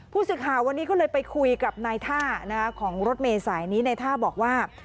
ผู้สื่อข่าววันนี้ก็เลยไปคุยกับนายท่าของรถเมษายนี้ในท่าบอกว่า